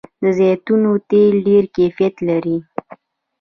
د زیتون تېل ډیر کیفیت لري.